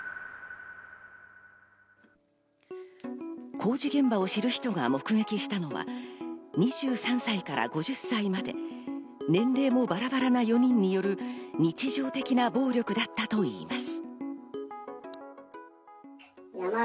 工事現場を知る人が目撃したのは２３歳から５０歳まで、年齢もバラバラな４人による日常的な暴力だったといいます。